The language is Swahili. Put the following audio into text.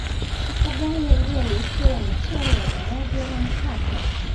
mfugale ndiye aliyechora michoro ya daraja la mkapa